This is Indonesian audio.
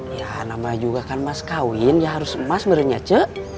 ya nama juga kan mas kawin ya harus emas bernyace